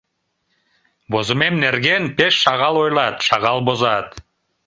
Возымем нерген пеш шагал ойлат, шагал возат.